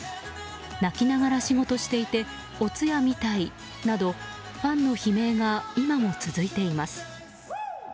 泣きながら仕事していてお通夜みたいなどファンの悲鳴が今も続いています。